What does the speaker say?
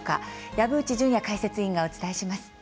籔内潤也解説委員がお伝えします。